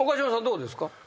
どうですか？